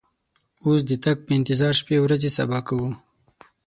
اوس د تګ په انتظار شپې او ورځې صبا کوو.